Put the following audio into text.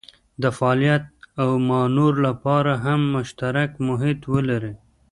د فعالیت او مانور لپاره هم مشترک محیط ولري.